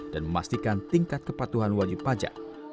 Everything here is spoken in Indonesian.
dan memastikan tingkat kepatuhan wajib pajak